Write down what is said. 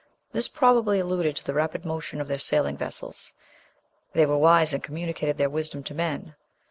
This probably alluded to the rapid motion of their sailing vessels. "They were wise, and communicated their wisdom to men."